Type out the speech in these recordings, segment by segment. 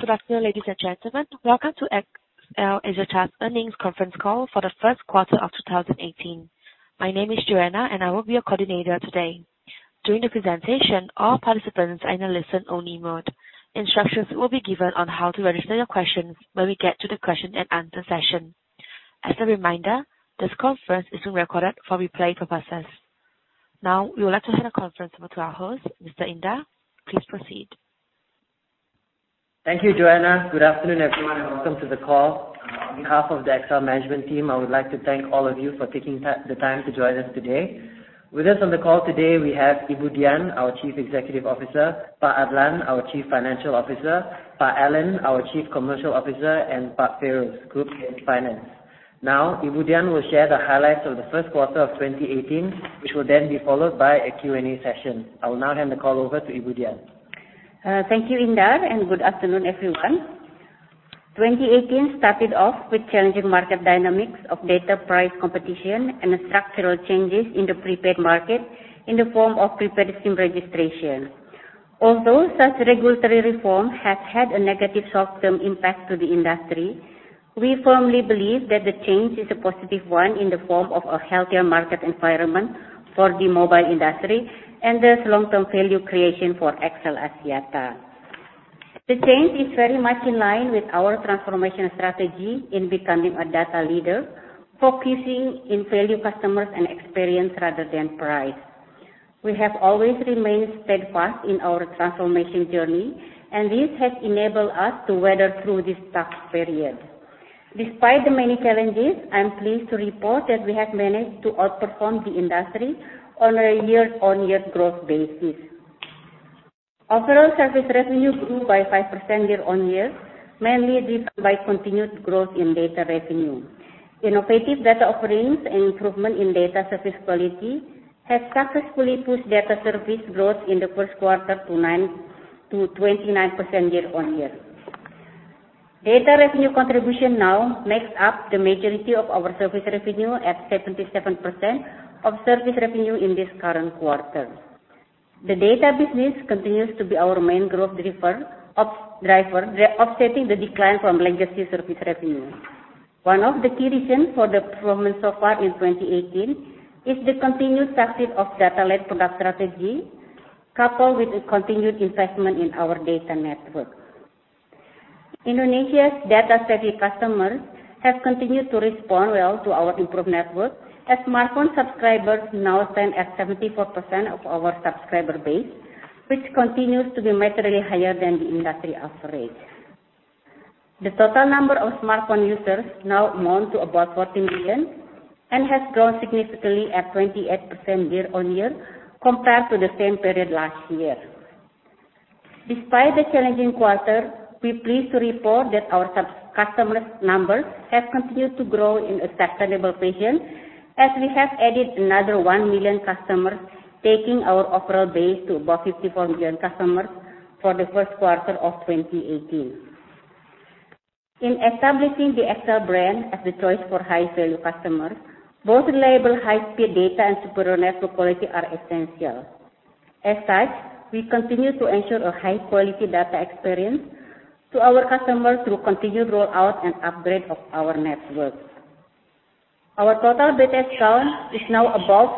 Good afternoon, ladies and gentlemen. Welcome to XL Axiata earnings conference call for the first quarter of 2018. My name is Joanna, and I will be your coordinator today. During the presentation, all participants are in a listen-only mode. Instructions will be given on how to register your questions when we get to the question and answer session. As a reminder, this conference is being recorded for replay purposes. We would like to hand the conference over to our host, Mr. Indar. Please proceed. Thank you, Joanna. Good afternoon, everyone, and welcome to the call. On behalf of the XL management team, I would like to thank all of you for taking the time to join us today. With us on the call today, we have Ibu Dian, our Chief Executive Officer, Pak Adlan, our Chief Financial Officer, Pak Allan, our Chief Commercial Officer, and Pak Feiruz, Group Chief Finance. Ibu Dian will share the highlights of the first quarter of 2018, which will then be followed by a Q&A session. I will now hand the call over to Ibu Dian. Thank you, Indar, and good afternoon, everyone. 2018 started off with challenging market dynamics of data price competition and structural changes in the prepaid market in the form of prepaid SIM registration. Such regulatory reform has had a negative short-term impact to the industry, we firmly believe that the change is a positive one in the form of a healthier market environment for the mobile industry and thus long-term value creation for XL Axiata. The change is very much in line with our transformation strategy in becoming a data leader, focusing in value customers and experience rather than price. We have always remained steadfast in our transformation journey, and this has enabled us to weather through this tough period. Despite the many challenges, I'm pleased to report that we have managed to outperform the industry on a year-on-year growth basis. Overall service revenue grew by 5% year-on-year, mainly driven by continued growth in data revenue. Innovative data offerings and improvement in data service quality have successfully pushed data service growth in the first quarter to 29% year-on-year. Data revenue contribution now makes up the majority of our service revenue at 77% of service revenue in this current quarter. The data business continues to be our main growth driver, offsetting the decline from legacy service revenue. One of the key reasons for the performance so far in 2018 is the continued success of data-led product strategy, coupled with a continued investment in our data network. Indonesia's data-savvy customers have continued to respond well to our improved network, as smartphone subscribers now stand at 74% of our subscriber base, which continues to be materially higher than the industry average. The total number of smartphone users now amount to about 40 million and has grown significantly at 28% year-on-year compared to the same period last year. Despite the challenging quarter, we're pleased to report that our customer numbers have continued to grow in a sustainable fashion, as we have added another 1 million customers, taking our overall base to above 54 million customers for the first quarter of 2018. In establishing the XL brand as the choice for high-value customers, both reliable high-speed data and superior network quality are essential. As such, we continue to ensure a high-quality data experience to our customers through continued rollout and upgrade of our network. Our total data count is now above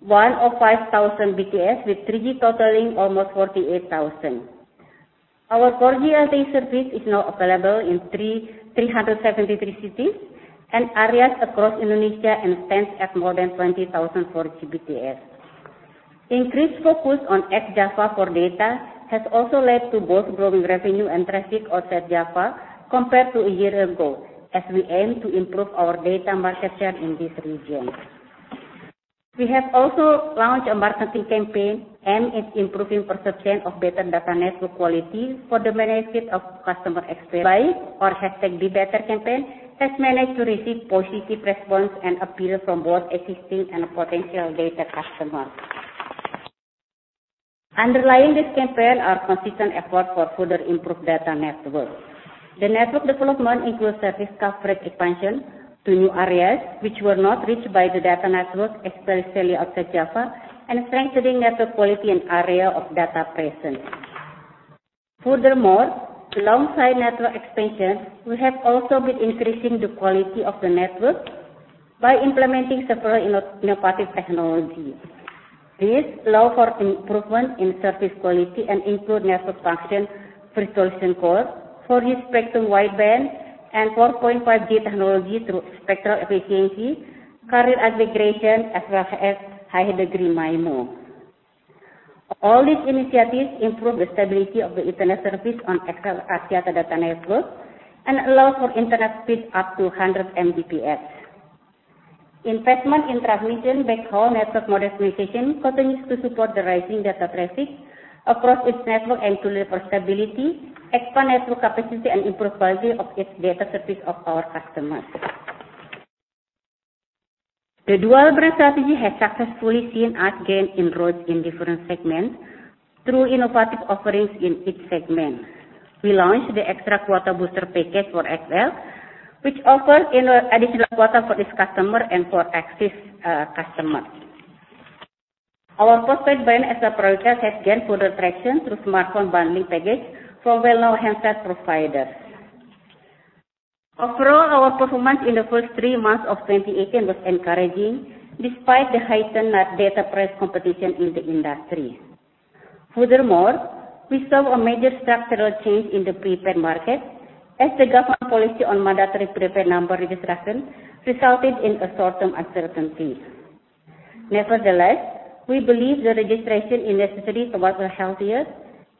105,000 BTS, with 3G totaling almost 48,000. Our 4G LTE service is now available in 373 cities and areas across Indonesia and stands at more than 20,000 4G BTS. Increased focus on ex-Java for data has also led to both growing revenue and traffic outside Java compared to a year ago, as we aim to improve our data market share in this region. We have also launched a marketing campaign aimed at improving perception of better data network quality for the benefit of customer experience. #JadiLebihBaik campaign has managed to receive positive response and appeal from both existing and potential data customers. Underlying this campaign are consistent effort for further improved data network. The network development includes service coverage expansion to new areas which were not reached by the data network, especially outside Java, and strengthening network quality in area of data presence. Alongside network expansion, we have also been increasing the quality of the network by implementing several innovative technologies. These allow for improvement in service quality and include Network Functions Virtualization, wideband 4G spectrum, and 4.5G technology through spectral efficiency, carrier aggregation, as well as higher-order MIMO. All these initiatives improve the stability of the internet service on XL Axiata data network and allow for internet speeds up to 100 Mbps. Investment in transregional backhaul network modernization continues to support the rising data traffic across its network and to deliver stability, expand network capacity, and improve quality of its data service of our customers. The dual brand strategy has successfully seen us gain inroads in different segments through innovative offerings in each segment. We launched the Xtra Kuota booster package for XL, which offers additional quota for this customer and for AXIS customers. Our postpaid brand, XL Prioritas, has gained further traction through smartphone bundling packages from well-known handset providers. Overall, our performance in the first three months of 2018 was encouraging, despite the heightened data price competition in the industry. We saw a major structural change in the prepaid market as the government policy on mandatory prepaid number registration resulted in a short-term uncertainty. Nevertheless, we believe the registration is necessary towards a healthier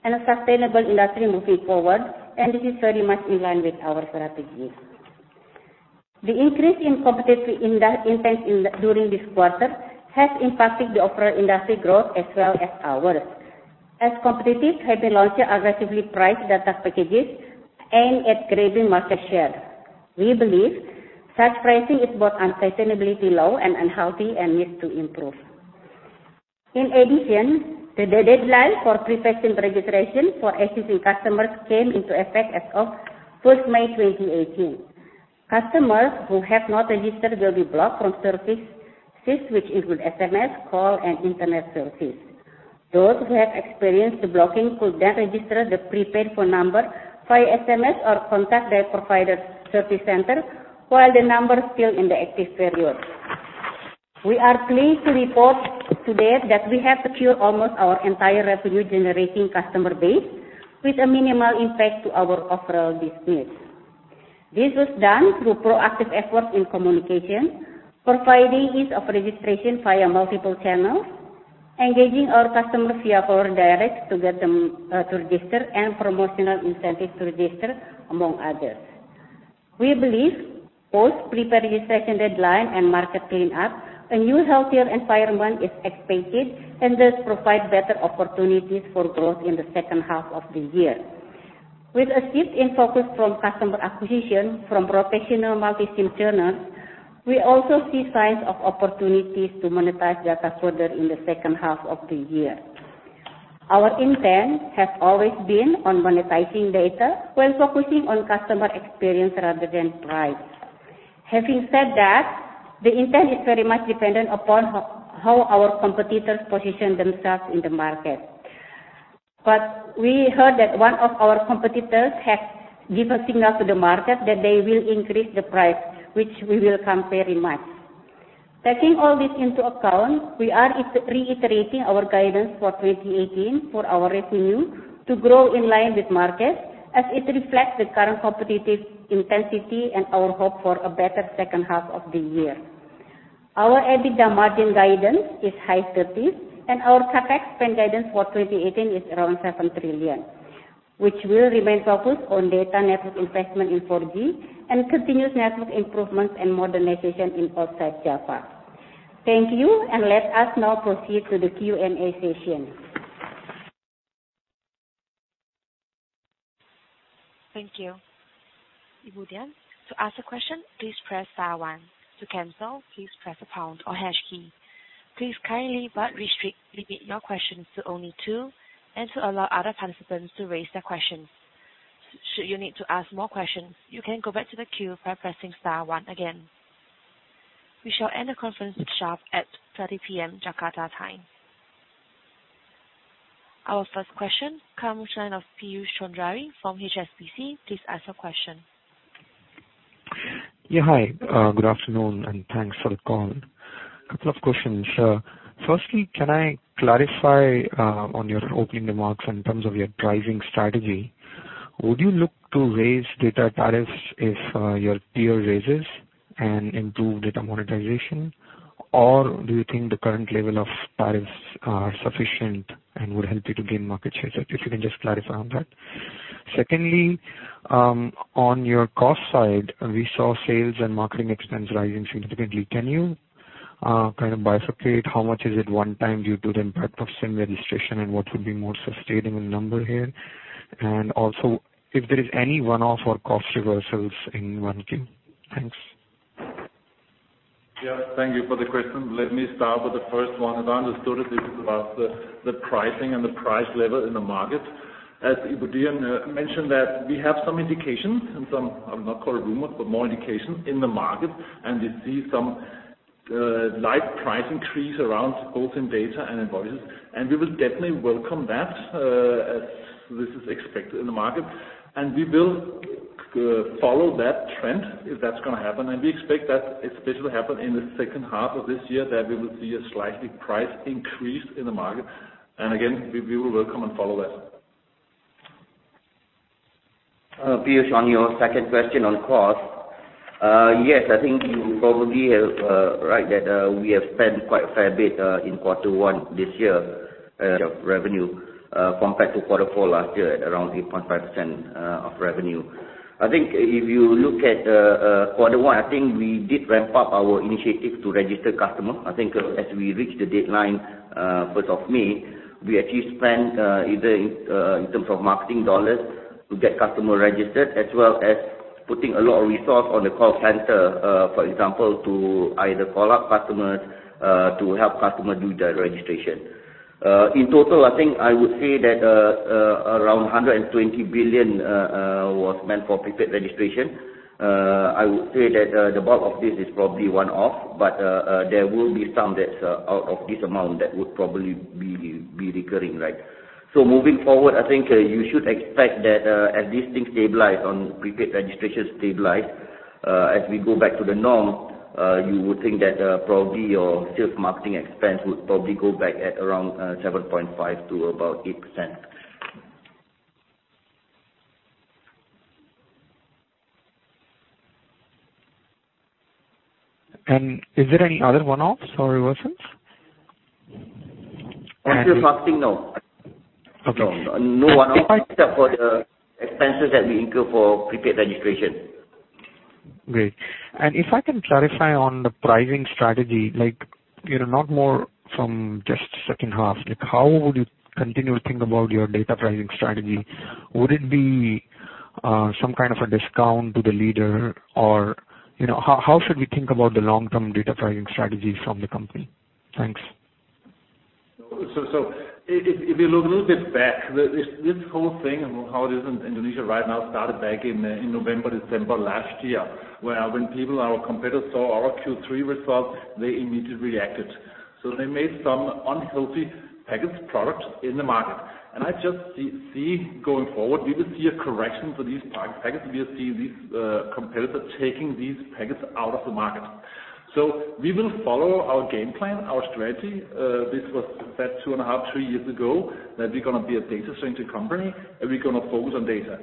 and sustainable industry moving forward, and this is very much in line with our strategy. The increase in competitive intent during this quarter has impacted the overall industry growth as well as ours. Competitors have launched aggressively priced data packages aimed at grabbing market share. We believe such pricing is both unsustainably low and unhealthy and needs to improve. In addition, the deadline for prepaid SIM registration for existing customers came into effect as of May 1, 2018. Customers who have not registered will be blocked from services, which include SMS, call, and internet services. Those who have experienced the blocking could then register the prepaid phone number via SMS or contact their provider service center while the number's still in the active period. We are pleased to report today that we have secured almost our entire revenue-generating customer base with a minimal impact to our overall business. This was done through proactive efforts in communication, providing ease of registration via multiple channels, engaging our customers via forward direct to get them to register, and promotional incentives to register, among others. We believe both prepaid registration deadline and market clean up, a new healthier environment is expected and does provide better opportunities for growth in the second half of the year. With a shift in focus from customer acquisition, from professional multi-SIM churners, we also see signs of opportunities to monetize data further in the second half of the year. Our intent has always been on monetizing data while focusing on customer experience rather than price. Having said that, the intent is very much dependent upon how our competitors position themselves in the market. We heard that one of our competitors have given a signal to the market that they will increase the price, which we welcome very much. Taking all this into account, we are reiterating our guidance for 2018 for our revenue to grow in line with markets, as it reflects the current competitive intensity and our hope for a better second half of the year. Our EBITDA margin guidance is high 30s. Our CapEx spend guidance for 2018 is around 7 trillion, which will remain focused on data network investment in 4G and continuous network improvements and modernization in ex-Java. Thank you. Let us now proceed to the Q&A session. Thank you, Ibu Dian. To ask a question, please press star one. To cancel, please press a pound or hash key. Please kindly but restrict, limit your questions to only two and to allow other participants to raise their questions. Should you need to ask more questions, you can go back to the queue by pressing star one again. We shall end the conference sharp at 3:00 P.M. Jakarta time. Our first question, Kamlesh Chand of Piyush Choudhary from HSBC. Please ask your question. Hi. Good afternoon, and thanks for the call. Couple of questions. Firstly, can I clarify on your opening remarks in terms of your pricing strategy? Would you look to raise data tariffs if your peer raises and improve data monetization? Or do you think the current level of tariffs are sufficient and would help you to gain market share? If you can just clarify on that. Secondly, on your cost side, we saw sales and marketing expense rising significantly. Can you kind of bifurcate how much is it one time due to the impact of SIM registration and what would be more sustainable number here? Also, if there is any one-off or cost reversals in 1Q. Thanks. Thank you for the question. Let me start with the first one. As I understood it, this is about the pricing and the price level in the market. As Ibu Dian mentioned that we have some indications and some, I would not call it rumors, but more indications in the market. We see some light price increase around both in data and in voices. We will definitely welcome that, as this is expected in the market. We will follow that trend if that's going to happen. We expect that this will happen in the second half of this year, that we will see a slight price increase in the market. Again, we will welcome and follow that. Piyush, on your second question on cost. Yes, I think you probably are right that we have spent quite a fair bit in quarter one this year of revenue, compared to quarter four last year at around 8.5% of revenue. If you look at quarter one, we did ramp up our initiatives to register customers. As we reach the deadline, 1st of May, we actually spent either in terms of marketing dollars to get customer registered as well as putting a lot of resource on the call center, for example, to either call up customers to help customer do their registration. In total, I would say that around 120 billion was meant for prepaid registration. I would say that the bulk of this is probably one-off, but there will be some that's out of this amount that would probably be recurring. Moving forward, I think you should expect that as these things stabilize, as prepaid registration stabilize, as we go back to the norm, you would think that probably your sales marketing expense would probably go back at around 7.5%-8%. Is there any other one-offs or reversions? As of last thing, no. Okay. No one-off except for the expenses that we incur for Prepaid Registration. Great. If I can clarify on the pricing strategy, not more from just second half, how would you continue to think about your data pricing strategy? Would it be some kind of a discount to the leader? Or how should we think about the long-term data pricing strategy from the company? Thanks. If you look a little bit back, this whole thing and how it is in Indonesia right now started back in November, December last year, when people, our competitors, saw our Q3 results, they immediately reacted. They made some unhealthy package products in the market. I just see, going forward, we will see a correction for these packages. We have seen these competitors taking these packages out of the market. We will follow our game plan, our strategy. This was set two and a half, three years ago, that we are going to be a data-centric company, and we are going to focus on data.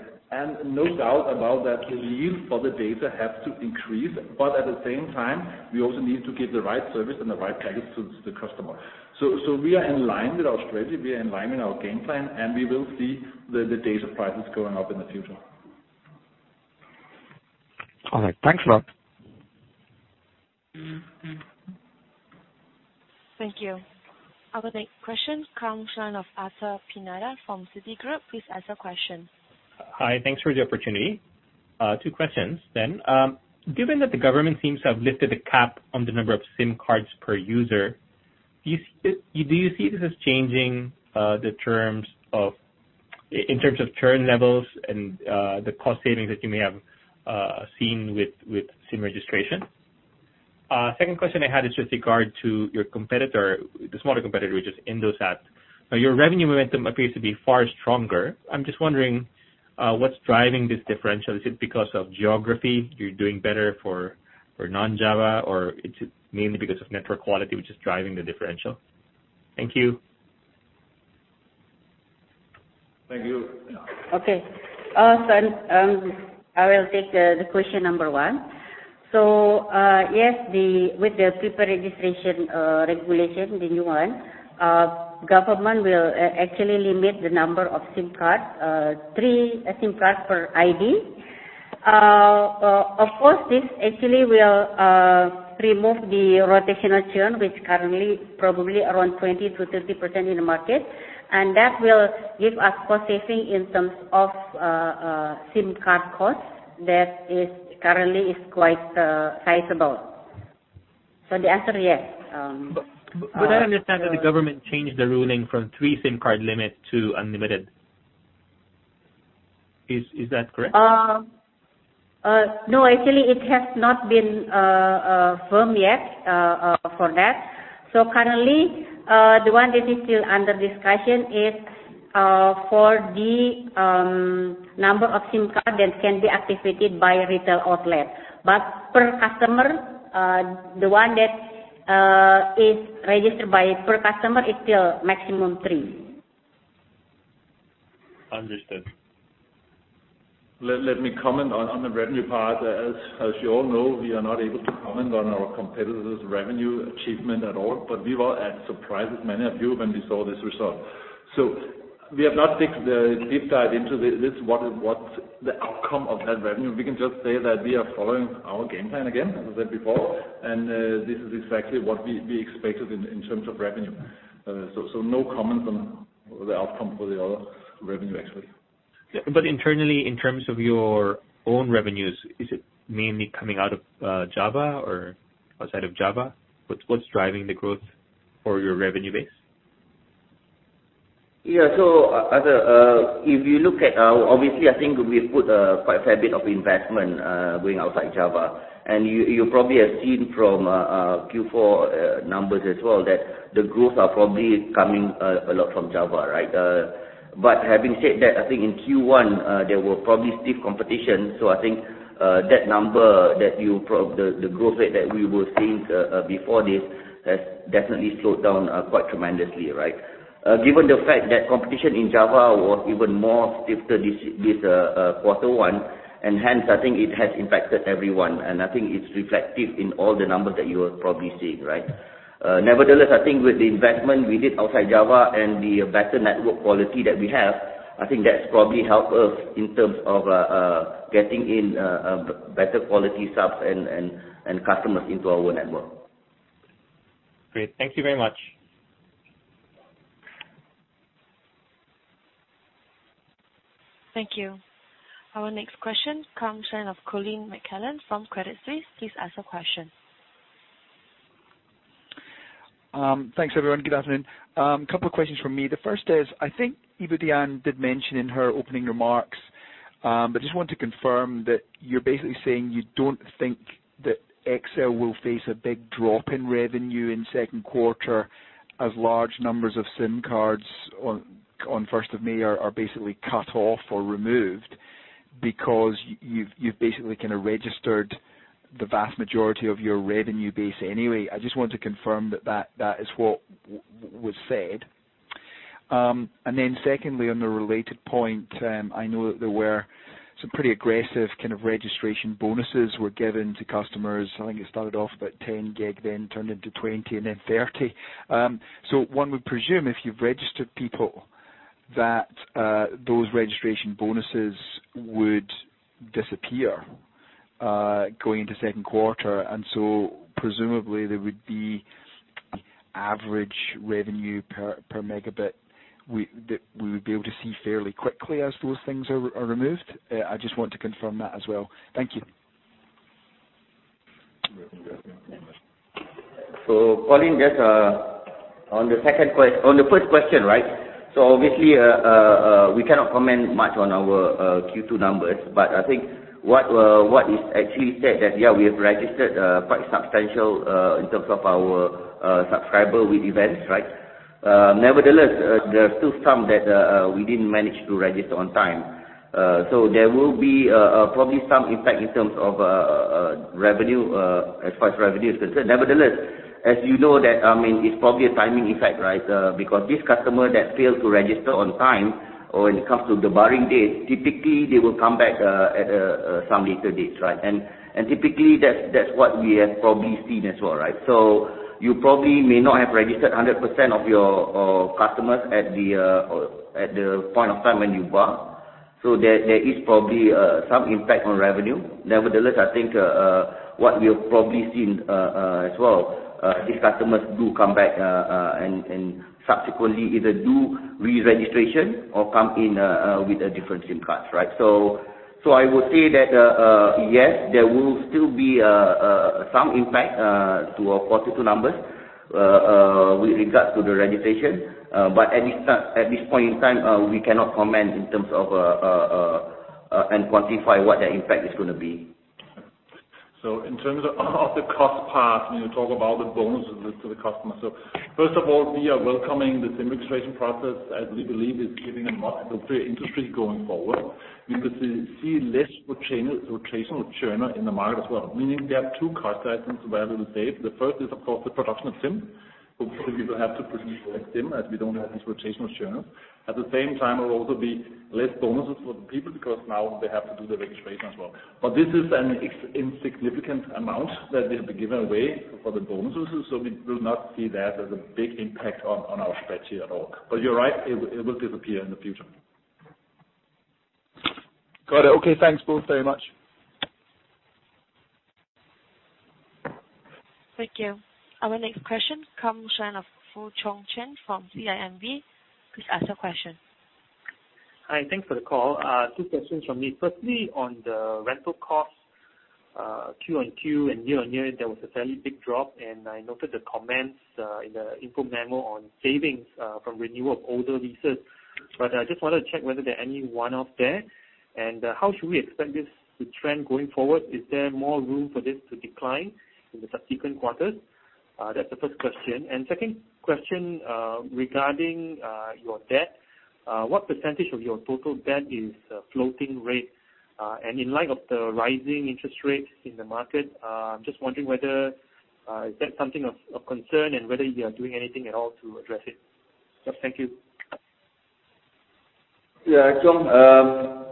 No doubt about that, the yield for the data has to increase, but at the same time, we also need to give the right service and the right package to the customer. We are in line with our strategy, we are in line with our game plan, we will see the data prices going up in the future. All right. Thanks a lot. Thank you. Our next question, Kamshaan of Arthur Pineda from Citigroup. Please ask your question. Hi. Thanks for the opportunity. Two questions. Given that the government seems to have lifted the cap on the number of SIM cards per user, do you see this as changing in terms of churn levels and the cost savings that you may have seen with SIM registration? Second question I had is just regard to your competitor, the smaller competitor, which is Indosat. Your revenue momentum appears to be far stronger. I'm just wondering what's driving this differential. Is it because of geography, you're doing better for non-Java, or it's mainly because of network quality which is driving the differential? Thank you. Thank you. Okay. I will take the question number one. Yes, with the prepaid registration regulation, the new one, government will actually limit the number of SIM cards, three SIM cards per ID. Of course, this actually will remove the rotational churn which currently probably around 20%-30% in the market, and that will give us cost saving in terms of SIM card costs that currently is quite sizable. The answer, yes. I understand that the government changed the ruling from three SIM card limit to unlimited. Is that correct? No, actually, it has not been firmed yet for that. Currently, the one that is still under discussion is for the number of SIM cards that can be activated by a retail outlet. Per customer, the one that is registered by per customer is still maximum three. Understood. Let me comment on the revenue part. As you all know, we are not able to comment on our competitor's revenue achievement at all. We were as surprised as many of you when we saw this result. We have not deep dived into this, what the outcome of that revenue. We can just say that we are following our game plan again, as I said before, this is exactly what we expected in terms of revenue. No comments on the outcome for the other revenue actually. Internally, in terms of your own revenues, is it mainly coming out of Java or outside of Java? What's driving the growth for your revenue base? Yeah. Arthur, if you look at, obviously, I think we put a quite fair bit of investment, going outside Java. You probably have seen from Q4 numbers as well, that the growth are probably coming a lot from Java, right? Having said that, I think in Q1, there were probably stiff competition. I think, that number, the growth rate that we were seeing before this has definitely slowed down quite tremendously, right? Given the fact that competition in Java was even more stiffer this quarter one, hence I think it has impacted everyone, and I think it's reflective in all the numbers that you are probably seeing, right? Nevertheless, I think with the investment we did outside Java and the better network quality that we have, I think that's probably helped us in terms of getting in better quality subs and customers into our network. Great. Thank you very much. Thank you. Our next question comes in of Colin McCallum from Credit Suisse. Please ask your question. Thanks, everyone. Good afternoon. Couple of questions from me. The first is, I think Ibu Dian did mention in her opening remarks, just want to confirm that you're basically saying you don't think that XL will face a big drop in revenue in second quarter as large numbers of SIM cards on 1st of May are basically cut off or removed because you've basically registered the vast majority of your revenue base anyway. I just want to confirm that is what was said. Secondly, on a related point, I know that there were some pretty aggressive registration bonuses were given to customers. I think it started off about 10 gig, then turned into 20 and then 30. One would presume if you've registered people that those registration bonuses would disappear, going into second quarter. Presumably there would be average revenue per megabit that we would be able to see fairly quickly as those things are removed. I just want to confirm that as well. Thank you. Colin, on the first question, obviously, we cannot comment much on our Q2 numbers. I think what is actually said that, yeah, we have registered quite substantial, in terms of our subscriber with events, right? Nevertheless, there are still some that we didn't manage to register on time. There will be probably some impact in terms of revenue, as far as revenue is concerned. Nevertheless, as you know that, it's probably a timing effect, right? Because this customer that failed to register on time or when it comes to the barring date, typically they will come back at some later dates, right? Typically that's what we have probably seen as well, right? You probably may not have registered 100% of your customers at the point of time when you bar. There is probably some impact on revenue. Nevertheless, I think what we have probably seen as well, these customers do come back and subsequently either do re-registration or come in with a different SIM cards, right? I would say that, yes, there will still be some impact to our Q2 numbers with regards to the registration. At this point in time, we cannot comment and quantify what that impact is gonna be. In terms of the cost part, when you talk about the bonuses to the customers. First of all, we are welcoming the SIM registration process as we believe it's giving a lot to the industry going forward because they see less rotational churn in the market as well, meaning there are two cost items where I will say. The first is of course the production of SIM. Hopefully we will have to produce less SIM as we don't have this rotational churn. At the same time, it will also be less bonuses for the people because now they have to do the registration as well. This is an insignificant amount that will be given away for the bonuses. We will not see that as a big impact on our strategy at all. You're right, it will disappear in the future. Got it. Thanks both very much. Thank you. Our next question comes in of Foong Choong Chen from CIMB. Please ask your question. Hi. Thanks for the call. Two questions from me. Firstly, on the rental cost, Q1 and year-over-year, there was a fairly big drop, and I noted the comments in the info memo on savings from renewal of older leases. I just wanted to check whether there are any one-off there and how should we expect this to trend going forward? Is there more room for this to decline in the subsequent quarters? That's the first question. Second question regarding your debt. What % of your total debt is floating rate? In light of the rising interest rates in the market, I'm just wondering whether is that something of concern and whether you are doing anything at all to address it. Thank you. Choong,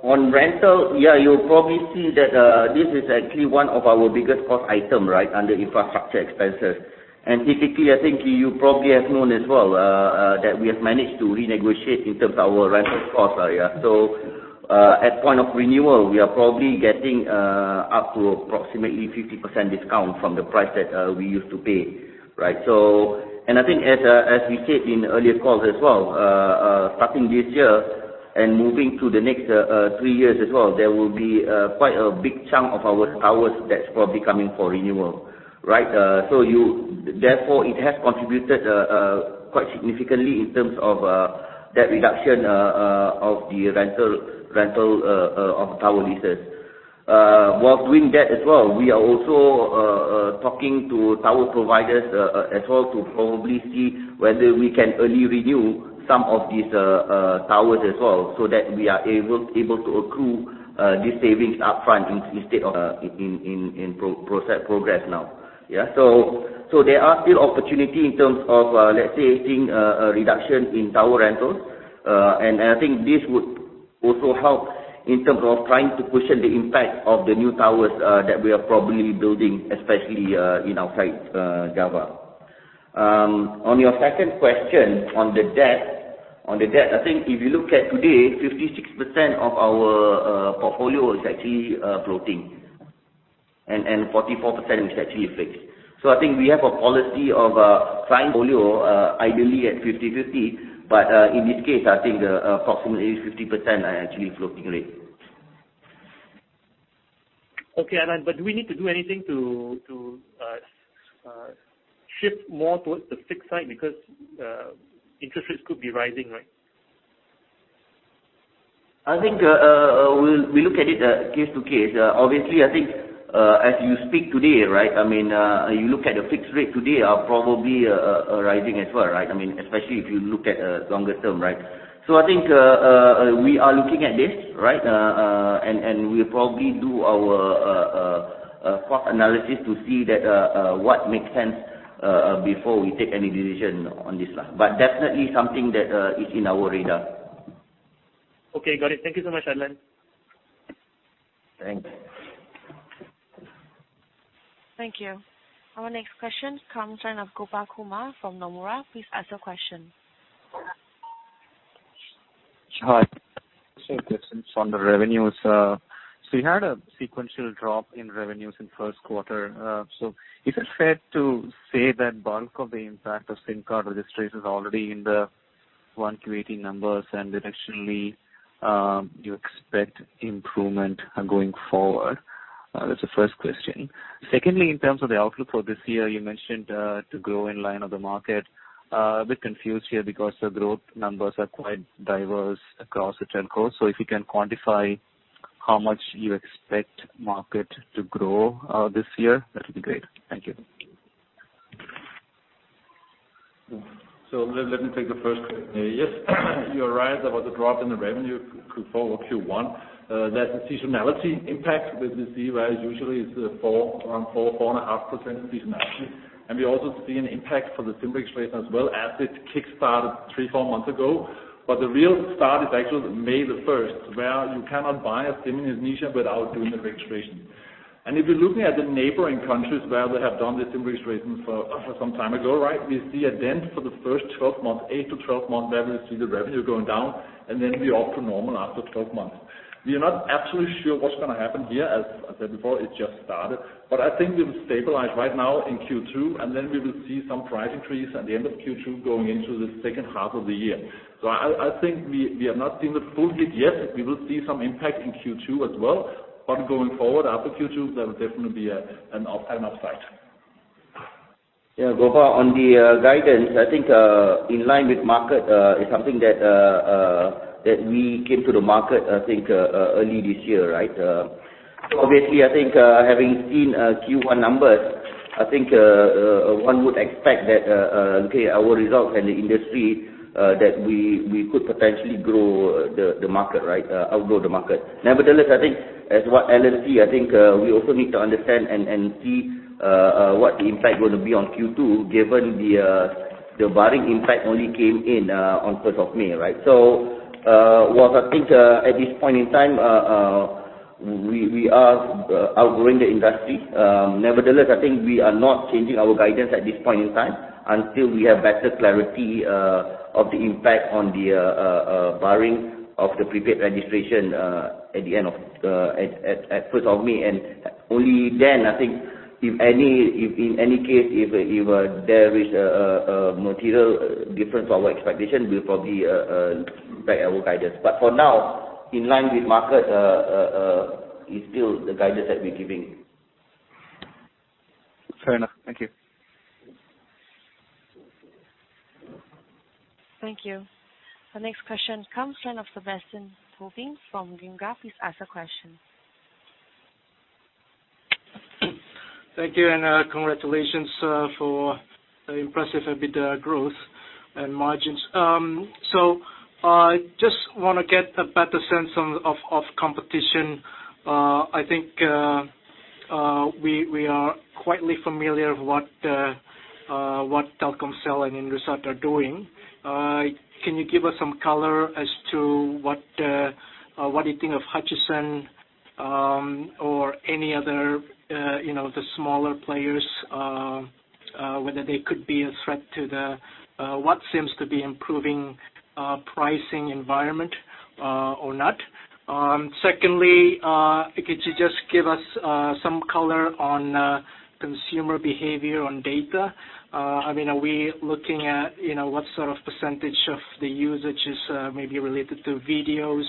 on rental, you'll probably see that this is actually one of our biggest cost item under infrastructure expenses. Typically, I think you probably have known as well, that we have managed to renegotiate in terms of our rental cost area. At point of renewal, we are probably getting up to approximately 50% discount from the price that we used to pay. I think as we said in earlier calls as well, starting this year and moving to the next 3 years as well, there will be quite a big chunk of our towers that's probably coming for renewal, right? Therefore, it has contributed quite significantly in terms of that reduction of the rental of tower leases. While doing that as well, we are also talking to tower providers as well to probably see whether we can early renew some of these towers as well, so that we are able to accrue these savings upfront instead of in progress now. There are still opportunity in terms of, let's say seeing a reduction in tower rentals. I think this would also help in terms of trying to cushion the impact of the new towers that we are probably building, especially in ex-Java. On your second question on the debt. On the debt, I think if you look at today, 56% of our So it's actually floating and 44% is actually fixed. I think we have a policy of trying portfolio ideally at 50/50, but in this case, I think approximately 50% are actually floating rate. Okay. Adlan, do we need to do anything to shift more towards the fixed side because interest rates could be rising, right? I think we look at it case to case. Obviously, I think as you speak today, right, you look at the fixed rate today are probably rising as well, right? I think we are looking at this, right? We'll probably do our cost analysis to see what makes sense before we take any decision on this. Definitely something that is in our radar. Okay. Got it. Thank you so much, Allan. Thanks. Thank you. Our next question comes in of Gopakumar from Nomura. Please ask your question. Hi. Same questions on the revenues. You had a sequential drop in revenues in first quarter. Is it fair to say that bulk of the impact of SIM card registration is already in the 1Q 2018 numbers, and directionally, you expect improvement going forward? That's the first question. Secondly, in terms of the outlook for this year, you mentioned to grow in line of the market. A bit confused here because the growth numbers are quite diverse across the telcos. If you can quantify how much you expect market to grow this year, that would be great. Thank you. Let me take the first question. Yes, you're right about the drop in the revenue for Q1. That's a seasonality impact which we see where usually it's around 4.5% seasonality. We also see an impact for the SIM registration as well as it kickstarted three, four months ago. The real start is actually May the 1st, where you cannot buy a SIM in Indonesia without doing the registration. If you're looking at the neighboring countries where they have done this SIM registration for some time ago, right, we see a dent for the first 12 months. Eight to 12 months, there we see the revenue going down, and then we're up to normal after 12 months. We are not absolutely sure what's going to happen here. As I said before, it just started. I think we've stabilized right now in Q2, and then we will see some price increase at the end of Q2 going into the second half of the year. I think we have not seen the full bit yet. We will see some impact in Q2 as well. Going forward after Q2, there will definitely be an upturn upside. Yeah. Gopa, on the guidance, I think in line with market is something that we came to the market, I think early this year, right? Obviously, I think having seen Q1 numbers, I think one would expect that, okay, our results and the industry that we could potentially grow the market, right? Outgrow the market. Nevertheless, I think as what Allan said, I think we also need to understand and see what the impact going to be on Q2 given the barring impact only came in on 1st of May, right? While I think at this point in time we are outgrowing the industry. Nevertheless, I think we are not changing our guidance at this point in time until we have better clarity of the impact on the barring of the prepaid registration at 1st of May. Only then, I think if in any case, if there is a material difference of our expectation, we'll probably break our guidance. For now, in line with market is still the guidance that we're giving. Fair enough. Thank you. Thank you. Our next question comes in of Sebastian Tobing from Ciptadana. Please ask your question. Thank you, congratulations for the impressive EBITDA growth and margins. Just want to get a better sense of competition. I think we are quietly familiar what Telkomsel and Indosat are doing. Can you give us some color as to what you think of Hutchison or any other, the smaller players whether they could be a threat to the what seems to be improving pricing environment or not? Secondly, could you just give us some color on consumer behavior on data? Are we looking at what sort of % of the usage is maybe related to videos,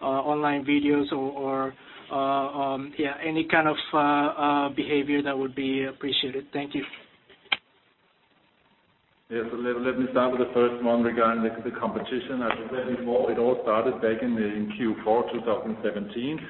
online videos or any kind of behavior? That would be appreciated. Thank you. Let me start with the first one regarding the competition. As I said before, it all started back in Q4 2017,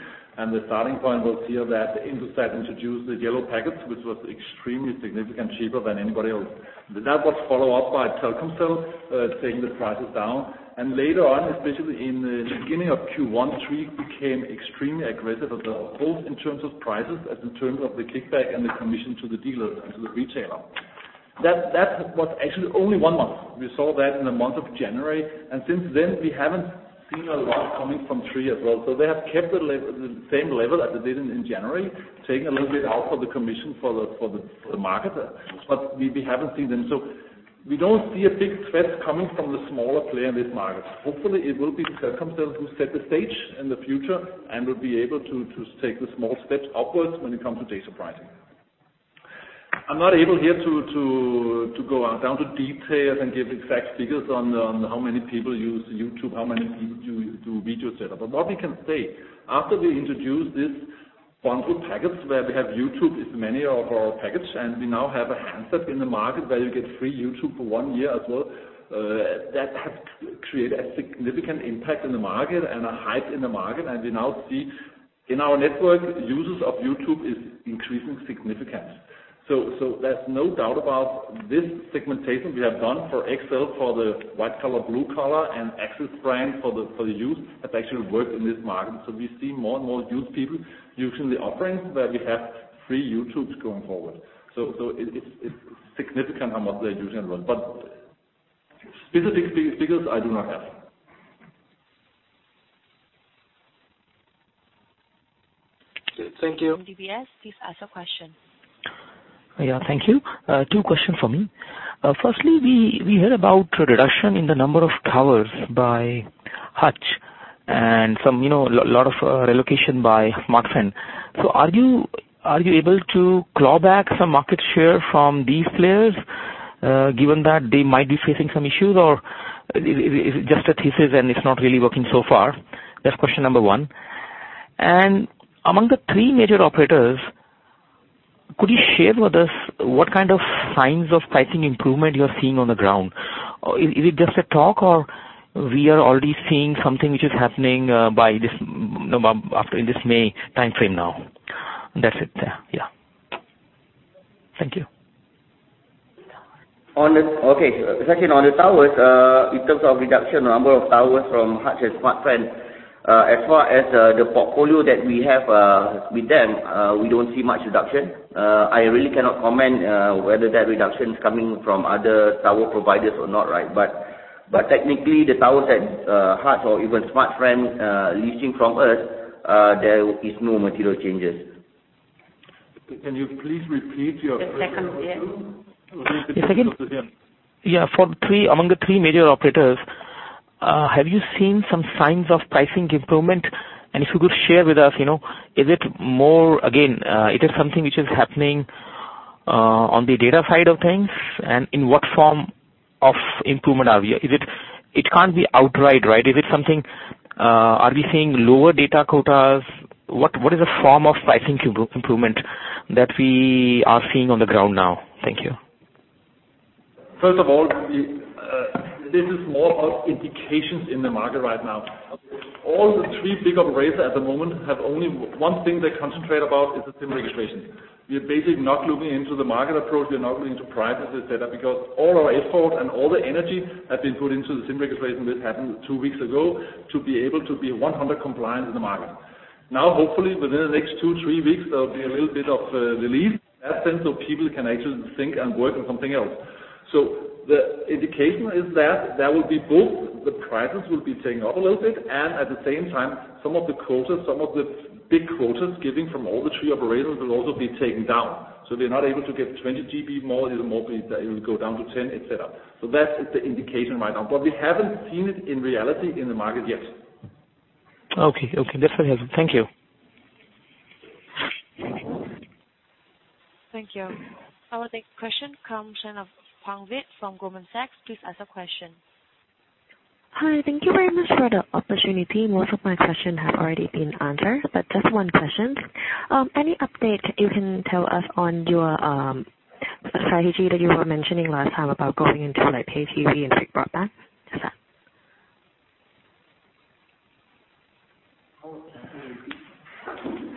the starting point was here that Indosat introduced the Yellow Package, which was extremely significant cheaper than anybody else. That was follow up by Telkomsel taking the prices down, later on, especially in the beginning of Q1, Tri became extremely aggressive as well, both in terms of prices as in terms of the kickback and the commission to the dealer and to the retailer. That was actually only one month. We saw that in the month of January, since then we haven't seen a lot coming from Tri as well. They have kept the same level as they did in January, taking a little bit out for the commission for the market. We haven't seen them. We don't see a big threat coming from the smaller player in this market. Hopefully, it will be Telkomsel who set the stage in the future and will be able to take the small steps upwards when it comes to data pricing. I'm not able here to go down to details and give exact figures on how many people use YouTube, how many people do video setup. What we can say, after we introduce these bundled packets where we have YouTube as many of our packets, and we now have a handset in the market where you get free YouTube for one year as well, that has created a significant impact in the market and a hype in the market. We now see in our network, users of YouTube is increasing significantly. There's no doubt about this segmentation we have done for XL, for the white collar, blue collar, and AXIS brand for the youth has actually worked in this market. We see more and more youth people using the offerings where we have free YouTube going forward. It's significant amount they're using, but specific figures, I do not have. Thank you. DBS, please ask your question. Yeah, thank you. Two question from me. Firstly, we heard about reduction in the number of towers by Hutch and a lot of relocation by Smartfren. Are you able to claw back some market share from these players, given that they might be facing some issues? Is it just a thesis and it's not really working so far? That's question number one. Among the three major operators, could you share with us what kind of signs of pricing improvement you're seeing on the ground? Is it just a talk or we are already seeing something which is happening after this May timeframe now? That's it. Yeah. Thank you. Okay. Second, on the towers, in terms of reduction number of towers from Hutch and Smartfren, as far as the portfolio that we have with them, we don't see much reduction. I really cannot comment whether that reduction is coming from other tower providers or not, right? Technically, the towers that Hutch or even Smartfren leasing from us, there is no material changes. Can you please repeat your first question? The second, yeah. Repeat the first question. Yeah. Among the three major operators, have you seen some signs of pricing improvement? If you could share with us, again, it is something which is happening on the data side of things and in what form of improvement are we? It can't be outright, right? Are we seeing lower data quotas? What is the form of pricing improvement that we are seeing on the ground now? Thank you. First of all, this is more of indications in the market right now. All the three big operators at the moment have only one thing they concentrate about is the SIM registration. We're basically not looking into the market approach. We're not looking into prices, et cetera, because all our effort and all the energy have been put into the SIM registration, which happened two weeks ago, to be able to be 100 compliant in the market. Hopefully, within the next two, three weeks, there'll be a little bit of relief absent, so people can actually think and work on something else. The indication is that there will be both. The prices will be taken up a little bit, and at the same time, some of the quotas, some of the big quotas given from all the three operators will also be taken down. They're not able to get 20 GB anymore. It will go down to 10, et cetera. That is the indication right now, but we haven't seen it in reality in the market yet. Okay. That's what I heard. Thank you. Thank you. Our next question comes in of Phuong Viet from Goldman Sachs. Please ask your question. Hi. Thank you very much for the opportunity. Most of my question have already been answered, just one question. Any update you can tell us on your strategy that you were mentioning last time about going into pay TV and fixed broadband? That's it.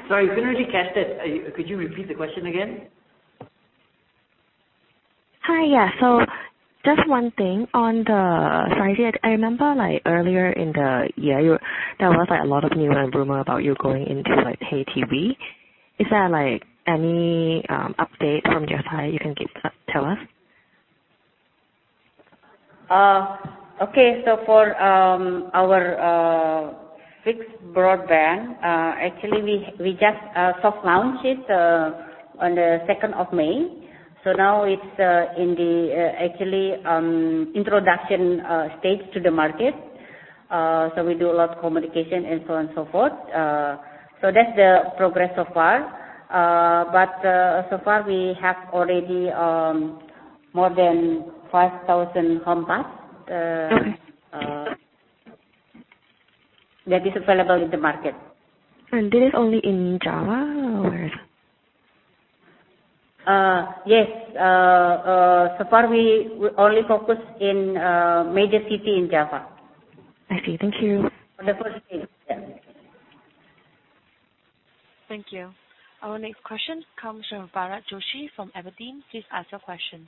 Sorry, couldn't really catch that. Could you repeat the question again? Hi. Yeah. Just one thing on the strategy. I remember earlier in the year, there was a lot of news and rumor about you going into pay TV. Is there any update from your side you can tell us? Okay. For our fixed broadband, actually we just soft launched it on the 2nd of May. Now it's in the actually introduction stage to the market. We do a lot of communication and so on, so forth. That's the progress so far. So far we have already more than 5,000 home passed- Okay that is available in the market. this is only in Java or where? Yes. Far we only focus in major city in Java. I see. Thank you. For the first phase. Yeah. Thank you. Our next question comes from Bharat Joshi from Evercore. Please ask your question.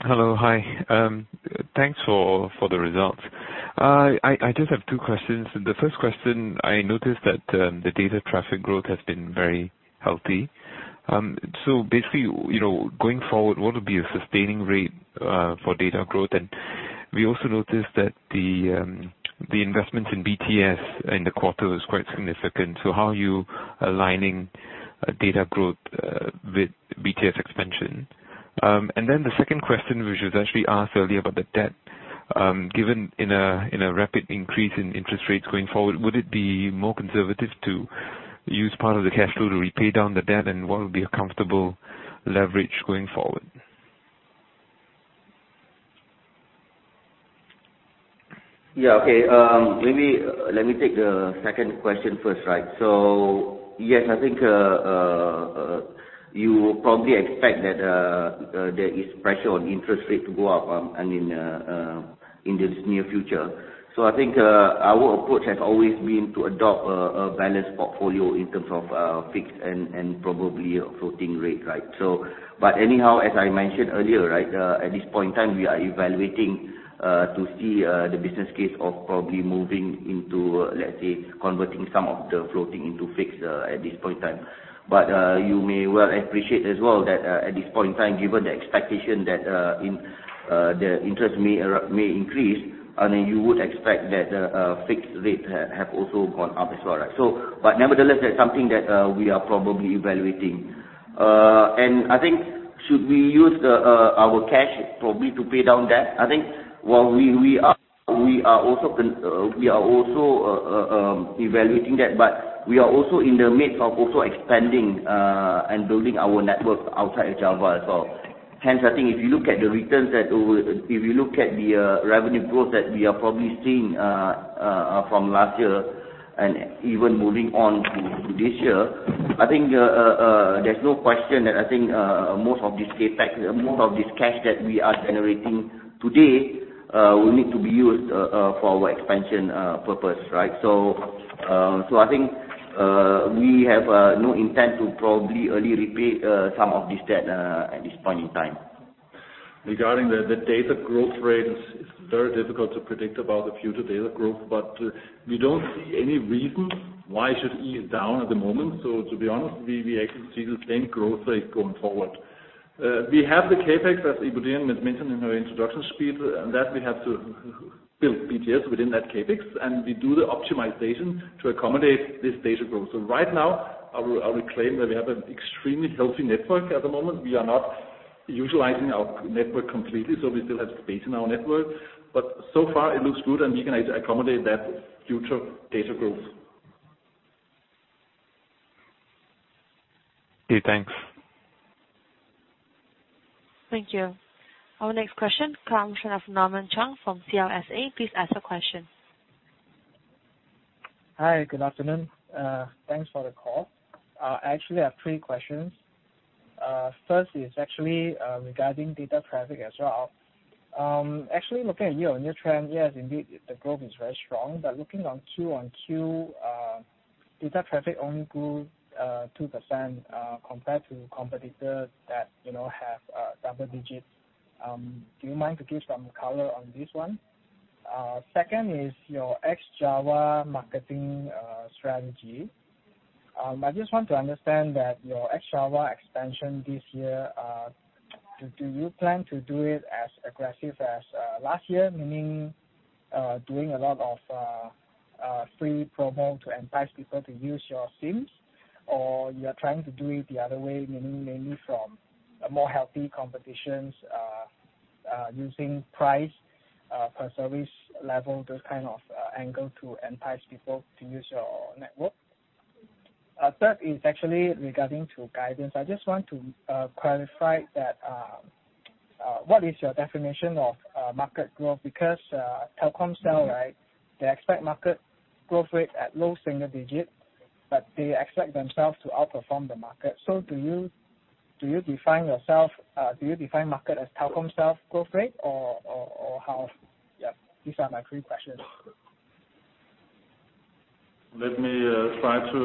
Hello. Hi. Thanks for the results. I just have two questions. The first question, I noticed that the data traffic growth has been very healthy. Basically, going forward, what will be a sustaining rate for data growth? We also noticed that the investments in BTS in the quarter was quite significant. How are you aligning data growth with BTS expansion? The second question, which was actually asked earlier about the debt. Given in a rapid increase in interest rates going forward, would it be more conservative to use part of the cash flow to repay down the debt? What would be a comfortable leverage going forward? Okay. Maybe let me take the second question first, right? Yes, I think you probably expect that there is pressure on interest rate to go up in the near future. I think our approach has always been to adopt a balanced portfolio in terms of fixed and probably a floating rate, right? Anyhow, as I mentioned earlier, right, at this point in time, we are evaluating to see the business case of probably moving into, let's say, converting some of the floating into fixed at this point in time. You may well appreciate as well that, at this point in time, given the expectation that the interest may increase, and you would expect that the fixed rate have also gone up as well. Nevertheless, that's something that we are probably evaluating. I think, should we use our cash probably to pay down debt? I think we are also evaluating that, we are also in the midst of also expanding, and building our network outside Java as well. I think if you look at the revenue growth that we are probably seeing from last year and even moving on to this year, I think there's no question that most of this cash that we are generating today will need to be used for our expansion purpose, right? I think, we have no intent to probably early repay some of this debt at this point in time. Regarding the data growth rate, it is very difficult to predict about the future data growth. We don't see any reason why it should ease down at the moment. To be honest, we actually see the same growth rate going forward. We have the CapEx, as Ibu Dian had mentioned in her introduction speech, and that we have to build BTS within that CapEx, and we do the optimization to accommodate this data growth. Right now, I will claim that we have an extremely healthy network at the moment. We are not utilizing our network completely, so we still have space in our network. But so far it looks good, and we can accommodate that future data growth. Okay, thanks. Thank you. Our next question, line of Norman Chang from CLSA. Please ask your question. Hi, good afternoon. Thanks for the call. I actually have three questions. First is actually regarding data traffic as well. Actually, looking at year-on-year trend, yes, indeed, the growth is very strong. But looking on Q1Q, data traffic only grew 2% compared to competitors that have double digits. Do you mind to give some color on this one? Second is your ex-Java marketing strategy. I just want to understand that your ex-Java expansion this year, do you plan to do it as aggressive as last year, meaning, doing a lot of free promo to entice people to use your SIMs? Or you are trying to do it the other way, meaning mainly from a more healthy competition, using price per service level, those kind of angle to entice people to use your network? Third is actually regarding to guidance. I just want to clarify that what is your definition of market growth? Telkomsel, right, they expect market growth rate at low single digits, but they expect themselves to outperform the market. Do you define market as Telkomsel growth rate or how? Yeah. These are my three questions. Let me try to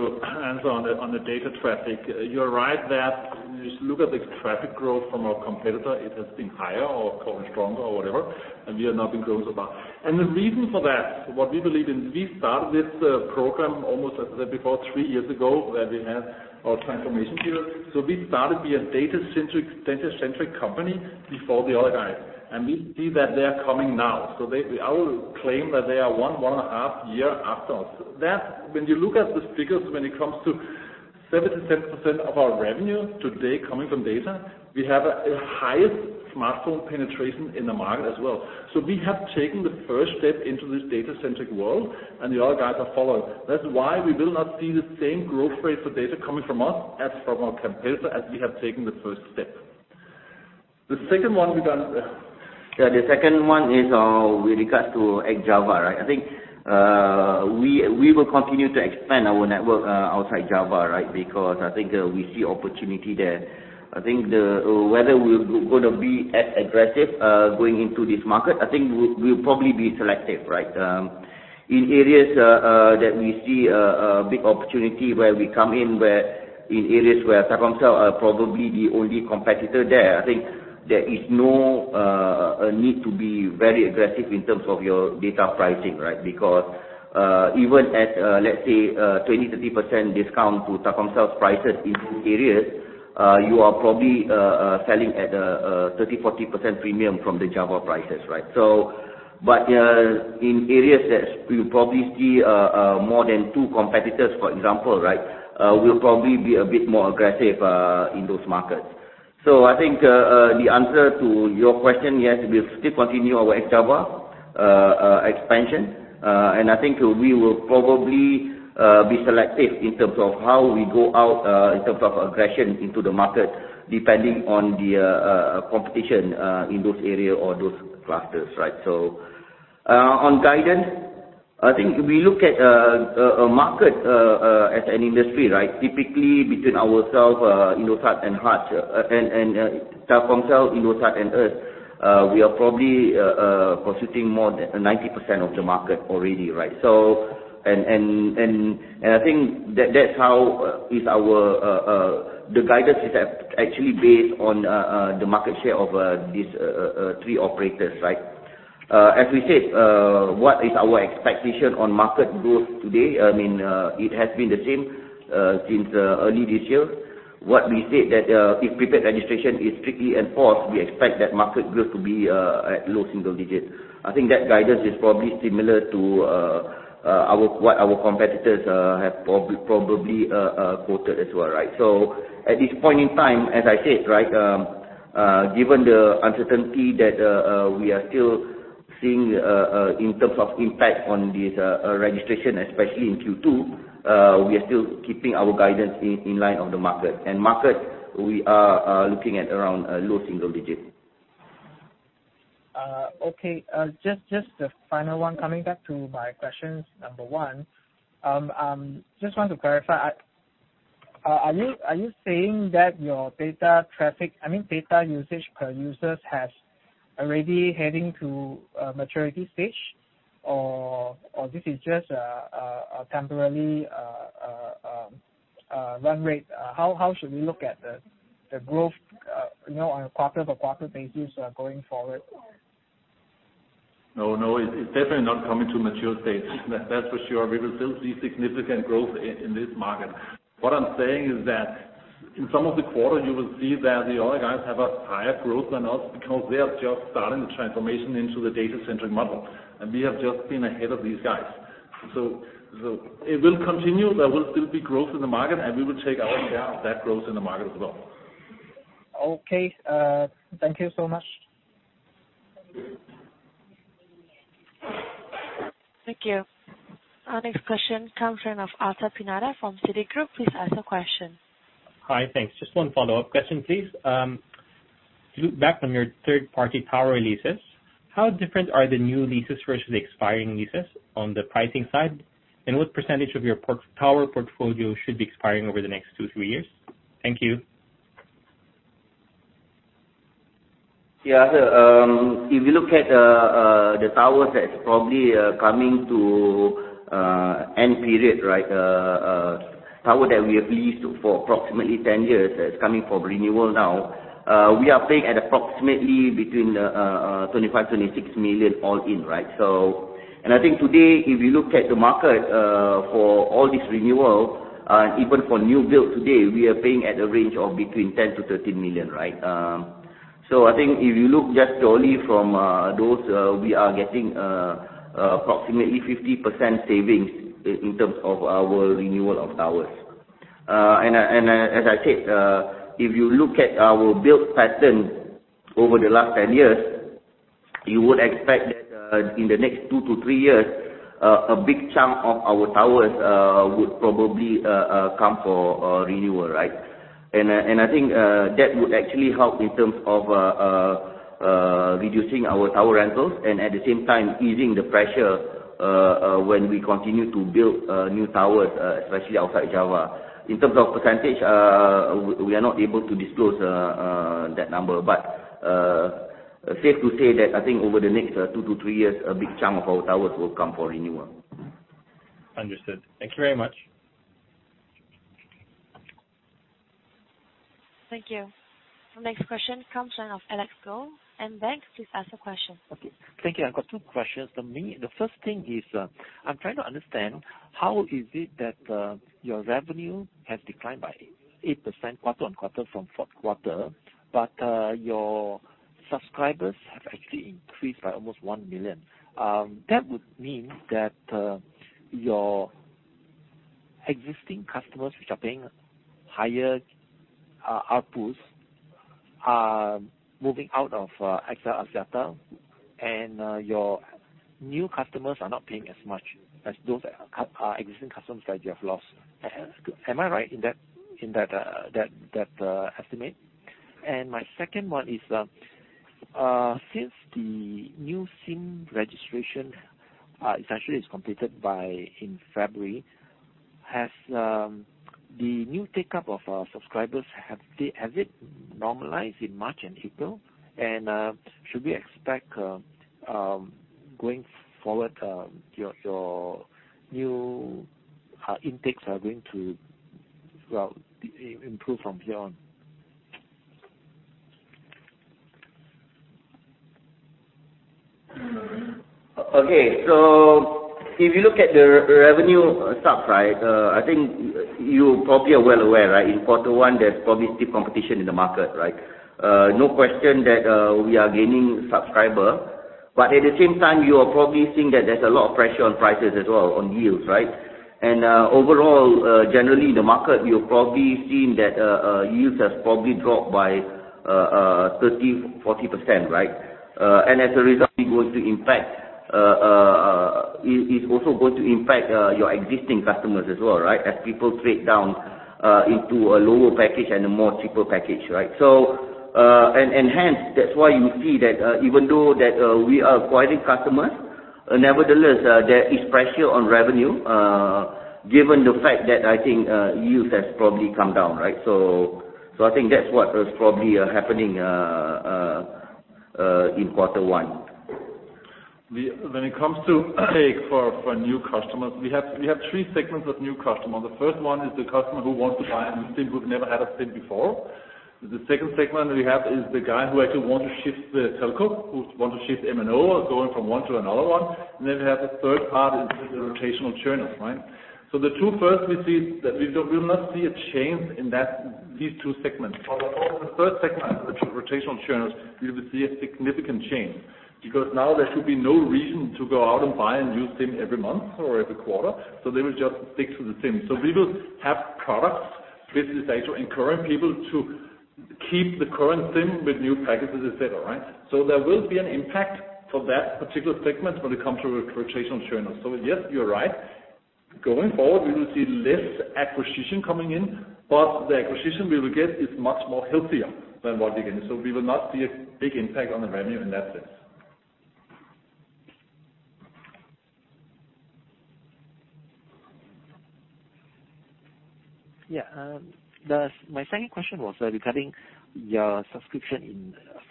answer on the data traffic. You're right that if you look at the traffic growth from our competitor, it has been higher or growing stronger or whatever, and we are not growing so much. The reason for that, what we believe in, we started this program almost, as I said before, three years ago, where we had our transformation period. We started being data-centric company before the other guys. We see that they are coming now. I will claim that they are one and a half year after us. When you look at the figures, when it comes to 77% of our revenue today coming from data, we have the highest smartphone penetration in the market as well. We have taken the first step into this data-centric world, and the other guys are following. That's why we will not see the same growth rate for data coming from us as from our competitor, as we have taken the first step. The second one we done. Yeah, the second one is with regards to ex-Java, right? I think we will continue to expand our network outside Java, right? We see opportunity there. I think whether we're going to be as aggressive going into this market, I think we'll probably be selective, right? In areas that we see a big opportunity where we come in areas where Telkomsel are probably the only competitor there, I think there is no need to be very aggressive in terms of your data pricing, right? Even at, let's say, 20%, 30% discount to Telkomsel's prices in these areas, you are probably selling at a 30%, 40% premium from the Java prices. In areas that you probably see more than two competitors, for example, we'll probably be a bit more aggressive in those markets. I think the answer to your question, yes, we'll still continue our ex-Java expansion. I think we will probably be selective in terms of how we go out, in terms of aggression into the market, depending on the competition in those areas or those clusters. On guidance, I think we look at a market as an industry. Typically, between Telkomsel, Indosat, and us, we are probably pursuing more than 90% of the market already. I think that the guidance is actually based on the market share of these three operators. As we said, what is our expectation on market growth today? It has been the same since early this year. What we said that if prepaid registration is strictly enforced, we expect that market growth to be at low single digits. I think that guidance is probably similar to what our competitors have probably quoted as well. At this point in time, as I said, given the uncertainty that we are still seeing in terms of impact on this registration, especially in Q2, we are still keeping our guidance in line of the market. Market, we are looking at around low single digits. Okay. Just the final one. Coming back to my questions, number 1, just want to clarify. Are you saying that your data usage per users has already heading to a maturity stage? Or this is just a temporarily run rate? How should we look at the growth on a quarter-by-quarter basis going forward? No, it's definitely not coming to mature stage, that's for sure. We will still see significant growth in this market. What I'm saying is that in some of the quarters, you will see that the other guys have a higher growth than us because they are just starting the transformation into the data centric model. We have just been ahead of these guys. It will continue. There will still be growth in the market, and we will take our share of that growth in the market as well. Okay. Thank you so much. Thank you. Our next question comes in of Arthur Pineda from Citigroup. Please ask your question. Hi. Thanks. Just one follow-up question, please. To loop back on your third party tower leases, how different are the new leases versus the expiring leases on the pricing side? What percentage of your tower portfolio should be expiring over the next two, three years? Thank you. Yeah. If you look at the towers that's probably coming to end period. Tower that we have leased for approximately 10 years, that's coming for renewal now. We are paying at approximately between 25 million-26 million all in. I think today, if you look at the market for all this renewal, even for new build today, we are paying at a range of between 10 million-13 million. I think if you look just solely from those, we are getting approximately 50% savings in terms of our renewal of towers. As I said, if you look at our build pattern over the last 10 years, you would expect that in the next two to three years, a big chunk of our towers would probably come for renewal. I think that would actually help in terms of reducing our tower rentals and at the same time easing the pressure when we continue to build new towers, especially outside Java. In terms of percentage, we are not able to disclose that number. Safe to say that I think over the next two to three years, a big chunk of our towers will come for renewal. Understood. Thank you very much. Thank you. Next question comes in of Alex Go. Maybank, please ask the question. Okay. Thank you. I've got two questions. The first thing is, I'm trying to understand how is it that your revenue has declined by 8% quarter-over-quarter from fourth quarter, but your subscribers have actually increased by almost 1 million? That would mean that your existing customers, which are paying higher ARPU, are moving out of XL Axiata and your new customers are not paying as much as those existing customers that you have lost. Am I right in that estimate? My second one is, since the new SIM registration essentially is completed in February, has the new take-up of subscribers, has it normalized in March and April? Should we expect, going forward, your new intakes are going to improve from here on? Okay. If you look at the revenue subs, I think you probably are well aware. In Q1, there's probably stiff competition in the market, right? No question that we are gaining subscriber, but at the same time, you are probably seeing that there's a lot of pressure on prices as well on yields, right? Overall, generally in the market, you've probably seen that yields has probably dropped by 30%-40%, right? As a result, it's also going to impact your existing customers as well, right? As people trade down into a lower package and a more cheaper package, right? That's why you see that even though that we are acquiring customers, nevertheless, there is pressure on revenue, given the fact that I think yields has probably come down, right? I think that's what is probably happening in Q1. When it comes to take for new customers, we have three segments of new customers. The first one is the customer who wants to buy a new SIM who's never had a SIM before. The second segment we have is the guy who actually want to shift the telco, who want to shift MNO or going from one to another one. We have the third part is the rotational churners, right? The two first we see that we will not see a change in these two segments. For the third segment, which is rotational churners, we will see a significant change, because now there should be no reason to go out and buy a new SIM every month or every quarter. They will just stick to the SIM. We will have products which is actually encouraging people to keep the current SIM with new packages, et cetera. There will be an impact for that particular segment when it comes to rotational churners. Yes, you're right. Going forward, we will see less acquisition coming in, but the acquisition we will get is much more healthier than what we're getting. We will not see a big impact on the revenue in that sense. Yeah. My second question was regarding your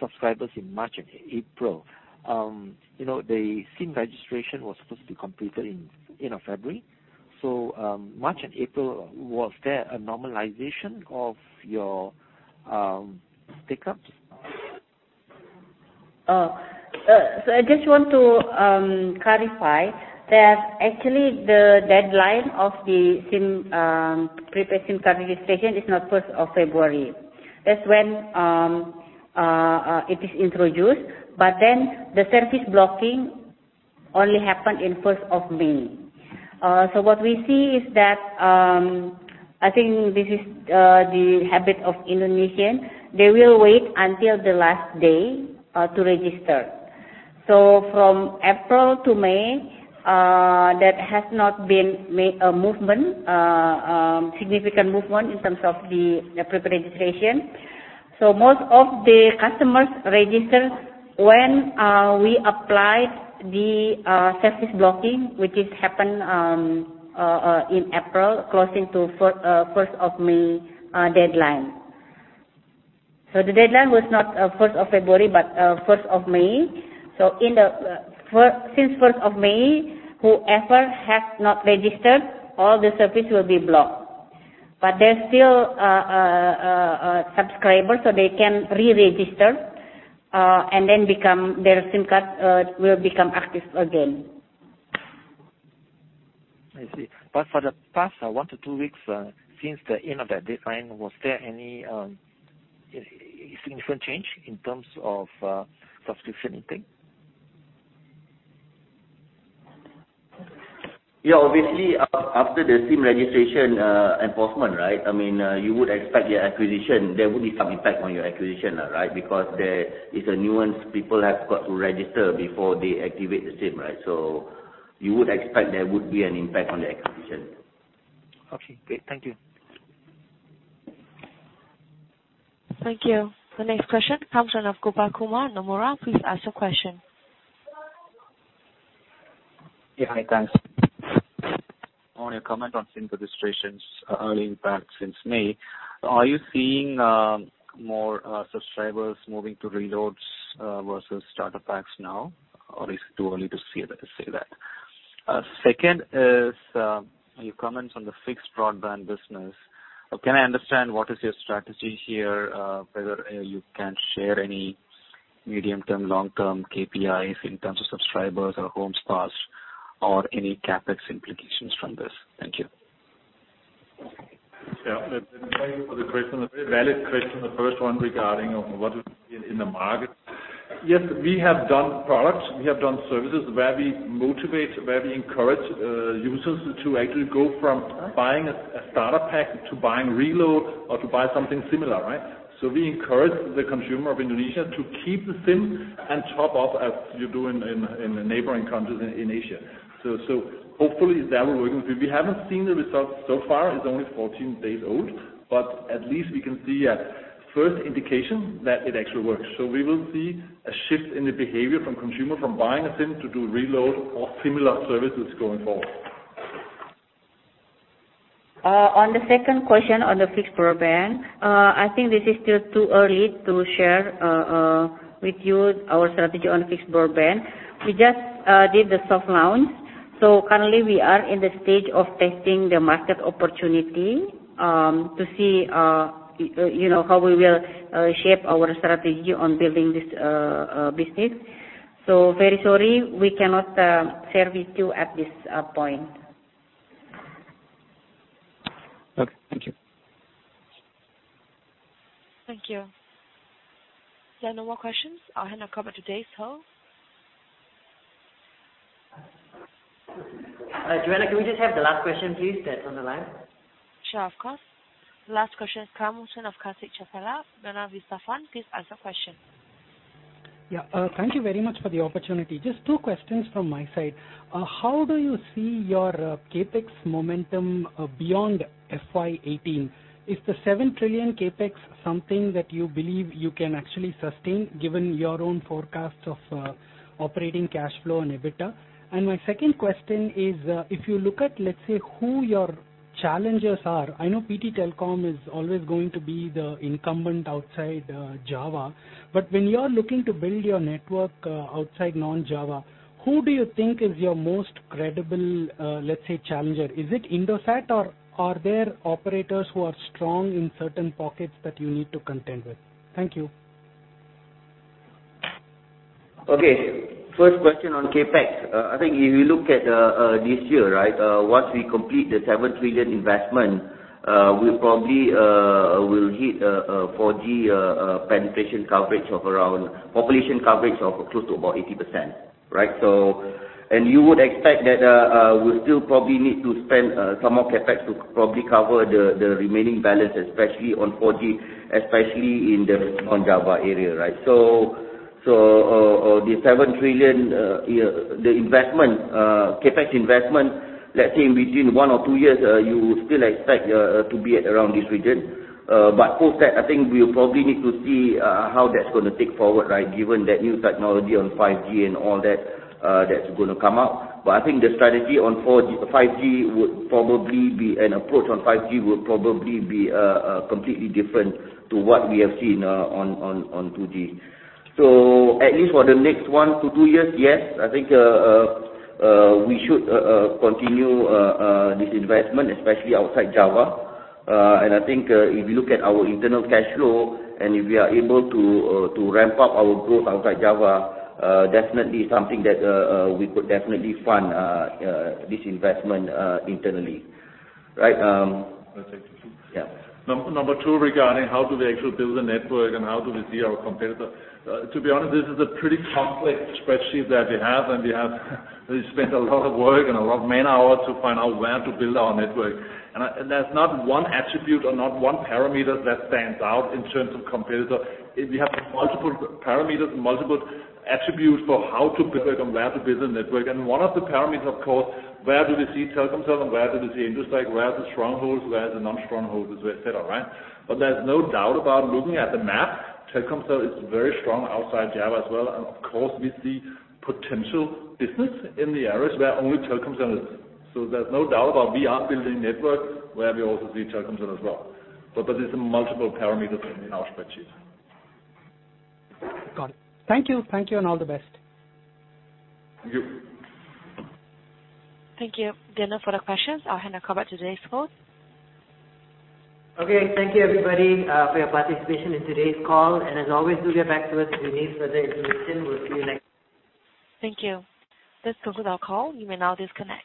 subscribers in March and April. The SIM registration was supposed to be completed in February. March and April, was there a normalization of your pickups? I just want to clarify that actually the deadline of the prepaid SIM card registration is not 1st of February. That's when it is introduced. The service blocking only happened in 1st of May. What we see is that, I think this is the habit of Indonesian, they will wait until the last day to register. From April to May, there has not been a significant movement in terms of the prep registration. Most of the customers register when we applied the service blocking, which happened in April, close to 1st of May deadline. The deadline was not 1st of February, but 1st of May. Since 1st of May, whoever has not registered, all the service will be blocked. They're still a subscriber, so they can re-register, and then their SIM card will become active again. I see. For the past one to two weeks since the end of that deadline, was there any significant change in terms of subscription intake? Obviously, after the SIM registration enforcement, you would expect there would be some impact on your acquisition, right? Because there is a nuance. People have got to register before they activate the SIM, right? You would expect there would be an impact on the acquisition. Okay, great. Thank you. Thank you. The next question comes in of Gopakumar, Nomura. Please ask your question. Yeah. Hi, thanks. On your comment on SIM registrations early impact since May, are you seeing more subscribers moving to reloads versus starter packs now? Is it too early to say that? Second is, your comments on the fixed broadband business. Can I understand what is your strategy here, whether you can share any medium-term, long-term KPIs in terms of subscribers or home spots or any CapEx implications from this? Thank you. Yeah. Thank you for the question. A very valid question, the first one regarding what is in the market. Yes, we have done products, we have done services where we motivate, where we encourage users to actually go from buying a starter pack to buying reload or to buy something similar, right? We encourage the consumer of Indonesia to keep the SIM and top up as you do in the neighboring countries in Asia. Hopefully that will work. We haven't seen the results so far. It's only 14 days old, but at least we can see a first indication that it actually works. We will see a shift in the behavior from consumer from buying a SIM to do reload or similar services going forward. On the second question on the fixed broadband, I think this is still too early to share with you our strategy on fixed broadband. We just did the soft launch. Currently we are in the stage of testing the market opportunity, to see how we will shape our strategy on building this business. Very sorry, we cannot serve you too at this point. Okay. Thank you. Thank you. There are no more questions. I'll hand over to David. Joanna, can we just have the last question, please? That's on the line. Sure, of course. The last question is Kamlson of Kasich Capella. Donna Vistafan, please ask your question. Thank you very much for the opportunity. Just two questions from my side. How do you see your CapEx momentum beyond FY 2018? Is the 7 trillion CapEx something that you believe you can actually sustain given your own forecasts of operating cash flow and EBITDA? My second question is, if you look at, let's say, who your challengers are, I know PT Telkom is always going to be the incumbent outside Java. When you are looking to build your network outside non-Java, who do you think is your most credible, let's say, challenger? Is it Indosat, or are there operators who are strong in certain pockets that you need to contend with? Thank you. First question on CapEx. I think if you look at this year. Once we complete the 7 trillion investment, we'll probably hit a 4G penetration coverage of around population coverage of close to about 80%. You would expect that we'll still probably need to spend some more CapEx to probably cover the remaining balance, especially on 4G, especially on Java area. The 7 trillion CapEx investment, let's say in between one or two years, you still expect to be at around this region. Post that, I think we'll probably need to see how that's gonna take forward. Given that new technology on 5G and all that's gonna come out. I think the strategy on 5G would probably be an approach on 5G will probably be completely different to what we have seen on 4G. At least for the next one to two years, yes, I think we should continue this investment, especially outside Java. I think, if you look at our internal cash flow and if we are able to ramp up our growth outside Java, definitely something that we could definitely fund this investment internally. Number two regarding how do we actually build a network and how do we see our competitor? To be honest, this is a pretty complex spreadsheet that we have, and we have spent a lot of work and a lot of man-hours to find out where to build our network. There's not one attribute or not one parameter that stands out in terms of competitor. We have multiple parameters and multiple attributes for how to build and where to build the network. One of the parameters, of course, where do we see Telkomsel and where do we see Indosat, where are the strongholds, where are the non-strongholds, et cetera. There's no doubt about looking at the map. Telkomsel is very strong outside Java as well and of course, we see potential business in the areas where only Telkomsel is. There's no doubt about we are building networks where we also see Telkomsel as well. There's multiple parameters in our spreadsheet. Got it. Thank you. Thank you, and all the best. Thank you. Thank you. There are no further questions. I'll hand over to Dave Arcelus Oses. Okay. Thank you everybody, for your participation in today's call. As always, do get back to us if you need further information. We'll see you next. Thank you. This concludes our call. You may now disconnect.